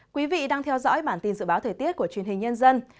quý vị đang theo dõi bản tin dự báo thời tiết của truyền hình nhân dân